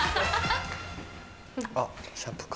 あっシャンプーか。